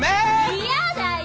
嫌だよ！